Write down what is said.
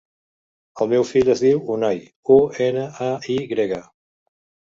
El meu fill es diu Unay: u, ena, a, i grega.